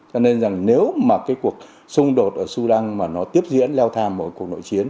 cho nên rằng nếu mà cái cuộc xung đột ở sudan mà nó tiếp diễn leo thang ở cuộc nội chiến